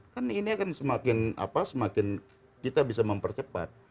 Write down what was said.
kan ini akan semakin apa semakin kita bisa mempercepat